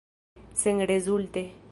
Senrezulte.